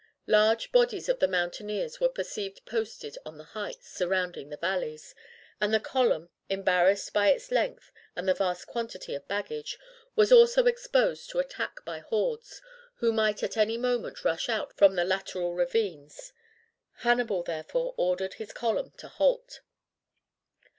Large bodies of the mountaineers were perceived posted on the heights surrounding the valleys, and the column, embarrassed by its length and the vast quantity of baggage, was also exposed to attack by hordes who might at any moment rush out from the lateral ravines. Hannibal, therefore, ordered his column to halt.